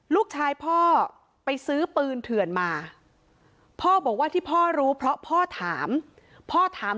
ลูกชายพ่อไปซื้อปืนเถื่อนมาพ่อบอกว่าที่พ่อรู้เพราะพ่อถามพ่อถาม